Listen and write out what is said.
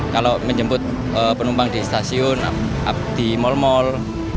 kalau menjemput penumpang di stasiun di mal mal